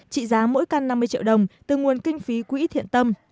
trị giá mỗi căn năm mươi triệu đồng từ nguồn kinh phí quỹ thiện tâm